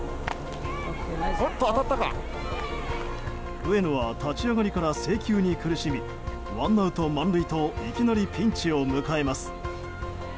上野は立ち上がりから制球に苦しみワンアウト、満塁といきなりピンチを迎えます。